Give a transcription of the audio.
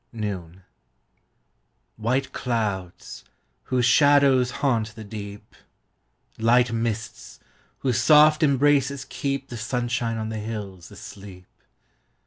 NOONWHITE clouds, whose shadows haunt the deep, Light mists, whose soft embraces keepThe sunshine on the hills asleep!